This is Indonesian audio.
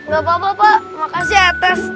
gak apa apa pak makasih ya tes